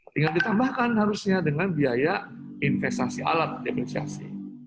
tinggal ditambahkan harusnya dengan biaya investasi alat depresiasi